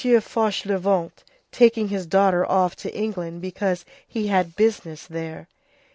Fauchelevent taking his daughter off to England because he had business there.